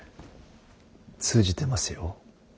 通じてますよ。